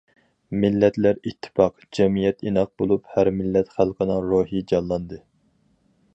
مىللەتلەر ئىتتىپاق، جەمئىيەت ئىناق بولۇپ، ھەر مىللەت خەلقىنىڭ روھى جانلاندى.